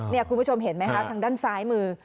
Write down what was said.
นี่คุณผู้ชมเห็นไหมคะทางด้านซ้ายมือ